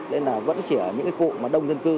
nên là vẫn chỉ ở những cái cụ mà đông dân cư